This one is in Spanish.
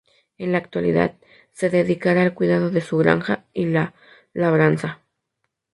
En la actualidad se dedicará al cuidado de su granja y a la labranza.